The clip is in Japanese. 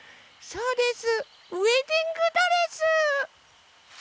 どうです？